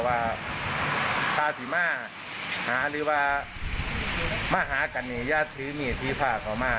ว่าสิมาหาหรือว่ามาหากันเนี่ยยัดถือเมียธีภาพเขามา